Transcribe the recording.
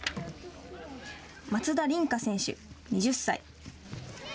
松田凜日選手２０歳。